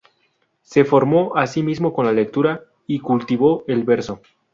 Se formó a sí mismo con la lectura y cultivó el verso.